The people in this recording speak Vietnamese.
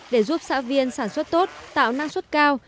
để giúp xã viên sản xuất tốt tạo năng suất cao